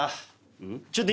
ちょっと